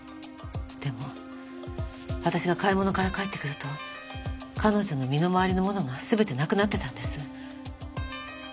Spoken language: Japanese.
でも私が買い物から帰ってくると彼女の身の回りのものが全てなくなってたんです。